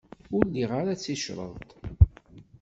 Ur liɣ ara ticreḍt.